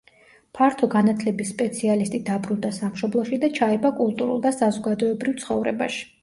ფართო განათლების სპეციალისტი დაბრუნდა სამშობლოში და ჩაება კულტურულ და საზოგადოებრივ ცხოვრებაში.